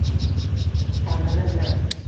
Tantana bilan